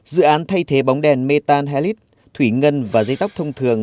dự án thay thế bóng đèn mê tan helix thủy ngân và dây tóc thông thường